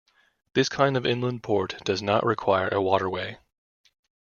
This kind of inland port does not require a waterway.